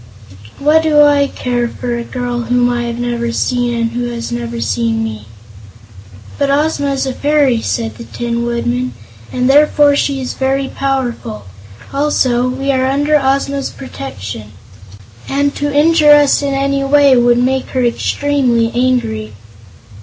"What do I care for a girl whom I have never seen and who has never seen me?" "But Ozma is a fairy," said the Tin Woodman, "and therefore she is very powerful. Also, we are under Ozma's protection, and to injure us in any way would make her extremely angry."